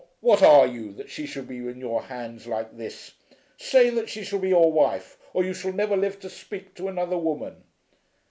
What are you, that she should be in your hands like this? Say that she shall be your wife, or you shall never live to speak to another woman."